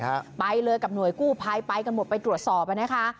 ฮะไปเลยกับหน่วยกู้ภัยไปกันหมดไปตรวจสอบอ่ะนะคะ